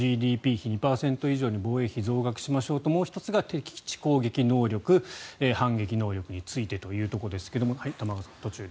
ＧＤＰ比２％以上防衛費を増額しましょうともう１つが敵基地攻撃能力反撃能力についてというところですが、玉川さん。